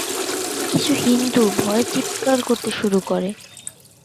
কিছু হিন্দু ভয়ে চিৎকার করতে শুরু করে।